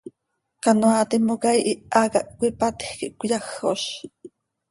Canoaa timoca ihiha cah cöipatj quih cöyajoz.